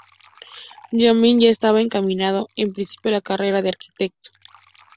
Jobim ya estaba encaminado en principio a la carrera de arquitecto.